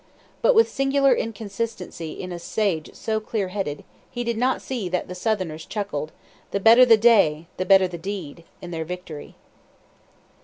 But with singular inconsistency in a sage so clear headed, he did not see that the Southerners chuckled, "The better the day, the better the deed," in their victory.